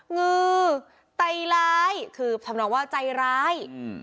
งือใจร้ายคือทำนองว่าใจร้าย